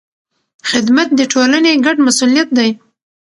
خدمت د ټولنې ګډ مسؤلیت دی.